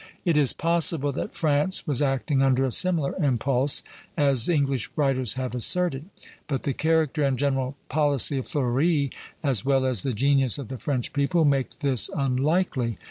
It is possible that France was acting under a similar impulse, as English writers have asserted; but the character and general policy of Fleuri, as well as the genius of the French people, make this unlikely.